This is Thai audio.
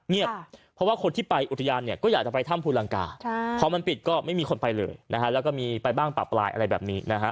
เพราะว่าคนที่ไปอุทยานเนี่ยก็อยากจะไปถ้ำภูลังกาพอมันปิดก็ไม่มีคนไปเลยนะฮะแล้วก็มีไปบ้างปลาปลายอะไรแบบนี้นะฮะ